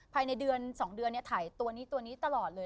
ภายในเดือน๒เดือนถ่ายตัวนี้ตัวนี้ตลอดเลย